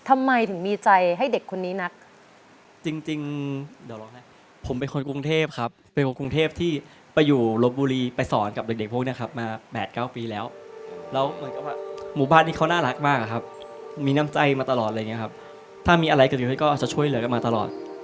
มีน้ำใจมาตลอดถ้ามีอะไรเกิดอยู่ก็จะช่วยเหลือกันมาตลอด